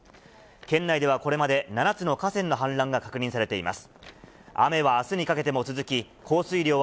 県内ではこれまで７つの河川の氾濫が確認されています。